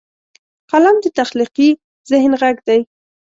قلم د تخلیقي ذهن غږ دی